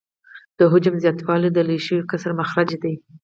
د حجم زیاتوالی د لوی شوي کسر مخرج دی